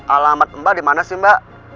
alamat mbak dimana sih mbak